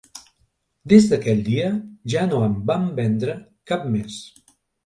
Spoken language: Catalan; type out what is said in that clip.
Des d'aquell dia ja no en vam vendre cap més.